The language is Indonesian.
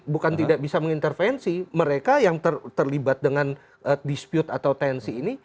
bukan tidak bisa mengintervensi mereka yang terlibat dengan dispute atau tensi ini